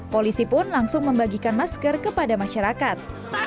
polisi pun langsung membagikan masker kepada masyarakat